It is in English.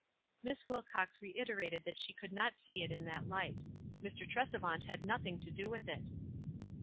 Miss Wilcox reiterated that she could not see it in that light. Mr. Tresevant had nothing to do with it.